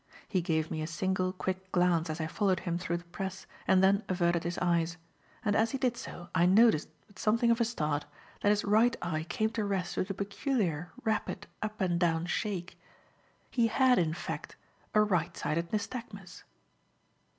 He gave me a single, quick glance as I followed him through the press and then averted his eyes; and as he did so, I noticed, with something of a start, that his right eye came to rest with a peculiar, rapid up and down shake. He had, in fact, a right sided nystagmus.